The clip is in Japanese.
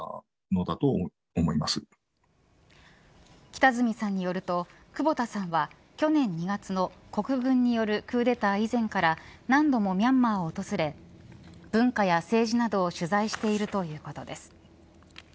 北角さんによると久保田さんは去年２月の国軍によるクーデター以前から何度もミャンマーを訪れ文化や政治などを取材しているということです。